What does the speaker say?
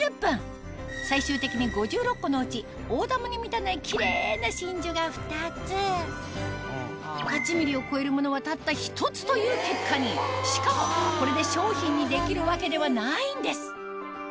最終的に５６個のうち大珠に満たないキレイな真珠が２つ８ｍｍを超えるものはたった１つという結果にしかもこれで商品にできるわけではないんです